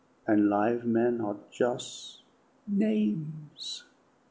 "An' live men are jus' names!"